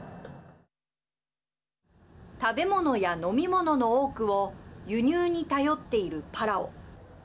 食べ物や飲み物の多くを輸入に頼っているパラオ。